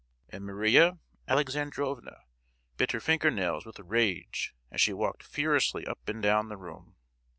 And Maria Alexandrovna bit her finger nails with rage as she walked furiously up and down the room.